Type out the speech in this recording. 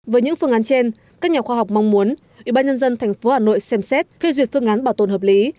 với những phương án trên các nhà khoa học mong muốn ủy ban nhân dân tp hà nội xem xét phê duyệt phương án bảo tồn hợp lý